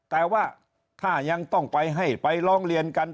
แต่ว่าถ้ายังต้องไปให้ไปร้องเรียนกัน